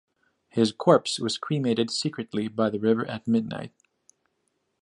His corpse was cremated secretly by the river at midnight.